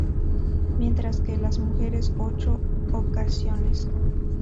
Mientras que, las mujeres ocho ocasiones.